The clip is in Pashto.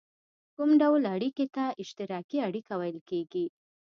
کوم ډول اړیکې ته اشتراکي اړیکه ویل کیږي؟